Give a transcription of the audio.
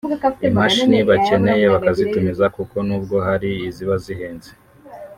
imashini bakeneye bakazitumiza kuko nubwo hari iziba zihenze